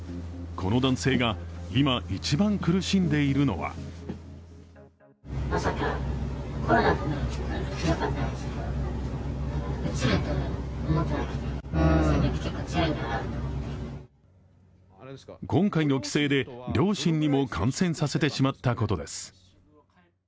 この男性が今一番苦しんでいるのは今回の帰省で両親にも感染させてしまったことです。